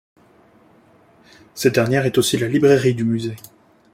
Cette dernière est aussi la librairie du musée.